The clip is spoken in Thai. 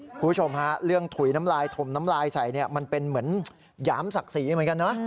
คุณผู้ชมฮะเรื่องถุยน้ำลายถมน้ำลายใส่เนี่ยมันเป็นเหมือนหยามศักดิ์ศรีเหมือนกันนะ